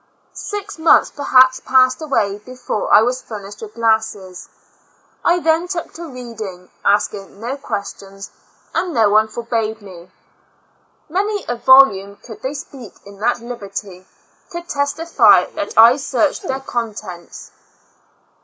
Six months perhaps passed away before I was furnished with glasses. I then took to reading, asldng no questions, and no one forbade me. Many a volume, could they speak, in that library, could testify that I searched their contents.